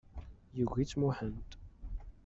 Yugi-tt Muḥend.